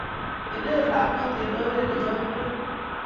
Inet lakwet eng' oret ne nyalunot.